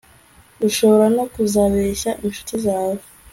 ushobora no kuzabeshya incuti zawe